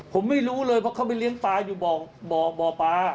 ผมไม่รู้เลยเพราะเขาไปเลี้ยงปลาอยู่บ่อปลา